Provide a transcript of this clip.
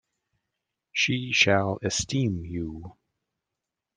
She shall esteem you.